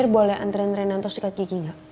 mir boleh antren antren ancus sikat gigi enggak